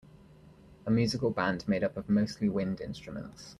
A musical band made up of mostly wind instruments.